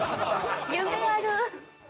夢ある！